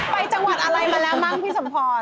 จังหวัดอะไรมาแล้วมั้งพี่สมพร